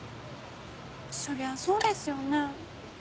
そりゃそうですよね。